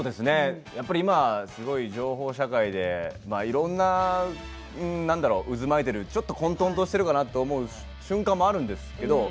今すごい情報社会でいろんな渦巻いている混とんとしているかなという瞬間もあるんですけれども